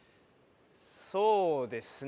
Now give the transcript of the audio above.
そうですね。